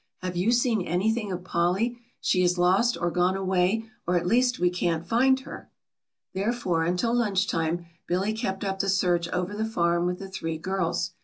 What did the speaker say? "Have you seen anything of Polly? She is lost or gone away or at least we can't find her!" Therefore until lunch time Billy kept up the search over the farm with the three girls.